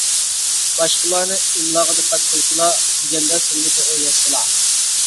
باشقىلارنى «ئىملاغا دىققەت قىلسىلا» دېگەندە سىلىمۇ توغرا يازسىلا.